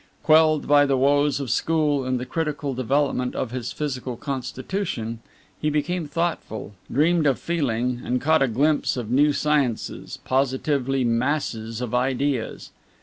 Quelled by the woes of school and the critical development of his physical constitution, he became thoughtful, dreamed of feeling, and caught a glimpse of new sciences positively masses of ideas.